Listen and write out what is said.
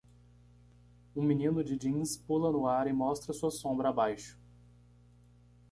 Um menino de jeans pula no ar e mostra sua sombra abaixo.